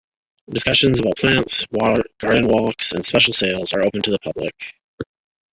Discussions about plants, garden walks and special sales are open to the public.